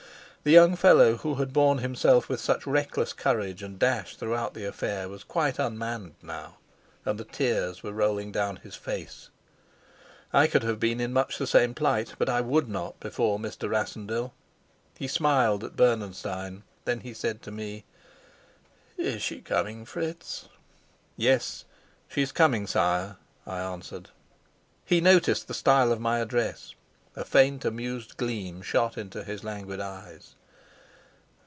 The young fellow, who had borne himself with such reckless courage and dash throughout the affair, was quite unmanned now, and the tears were rolling down his face. I could have been much in the same plight, but I would not before Mr. Rassendyll. He smiled at Bernenstein. Then he said to me: "Is she coming, Fritz?" "Yes, she's coming, sire," I answered. He noticed the style of my address; a faint amused gleam shot into his languid eyes.